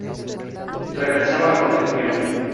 Regresaba a Concepción.